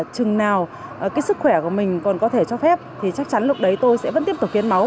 chừng nào cái sức khỏe của mình còn có thể cho phép thì chắc chắn lúc đấy tôi sẽ vẫn tiếp tục hiến máu